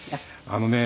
あのね